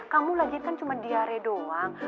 kamu lagi kan cuma diare doang